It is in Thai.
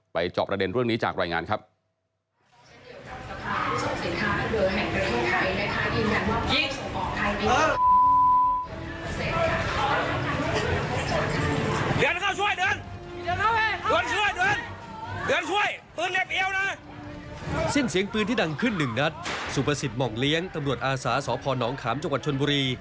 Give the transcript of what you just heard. จอบประเด็นเรื่องนี้จากรายงานครับ